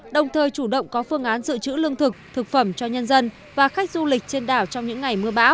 đồng thời chủ động có phương án dự trữ lương thực thực phẩm cho nhân dân và khách du lịch trên đảo trong những ngày mưa bão